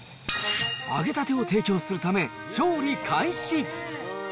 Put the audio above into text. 揚げたてを提供するため、調理開始。